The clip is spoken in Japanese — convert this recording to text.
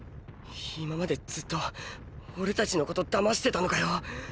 今までずっと俺たちのこと騙してたのかよ。